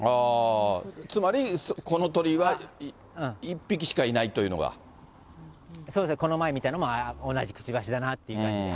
つまり、この鳥は１匹しかいないというのが。そうですね、この前見たのも同じくちばしだなっていう感じで。